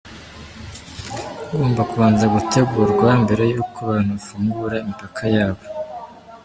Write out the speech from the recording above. Ugomba kubanza gutegurwa mbere y’uko abantu bafugura imipaka yabo.